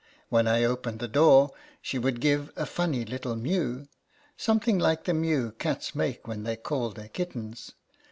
When I opened the door, she would give a funny little mew, something like the mew cats make when they call their kittens.